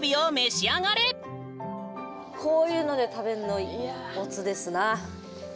こういうので食べんのおつですな。